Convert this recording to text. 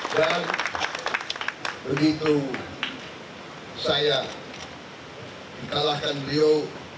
dan begitu saya kalahkan beliau